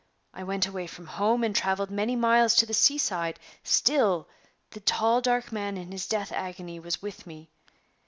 I went away from home, and traveled many miles to the sea side; still the tall dark man in his death agony was with me.